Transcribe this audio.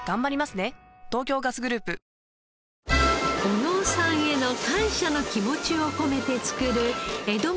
小野尾さんへの感謝の気持ちを込めて作る江戸